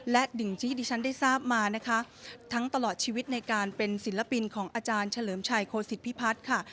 และหนึ่งที่ที่ฉันได้ทราบมานะคะทั้งตลอดชีวิตในการเป็นศิลปินของอาจารย์เฉลิมชัยโคสิตพิพัฒน์ค่ะ